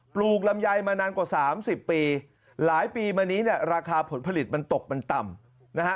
ลูกลำไยมานานกว่า๓๐ปีหลายปีมานี้เนี่ยราคาผลผลิตมันตกมันต่ำนะฮะ